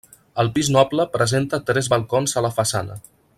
El pis noble presenta tres balcons a la façana.